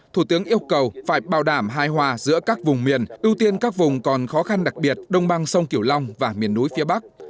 thủ tướng yêu cầu phải bảo đảm hài hòa giữa các vùng miền ưu tiên các vùng còn khó khăn đặc biệt đông bang sông kiểu long và miền núi phía bắc